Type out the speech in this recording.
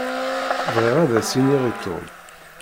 Bɣiɣ ad as-iniɣ i Tom.